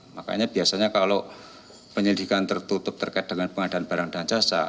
makanya biasanya kalau penyelidikan tertutup terkait dengan pengadaan barang dan jasa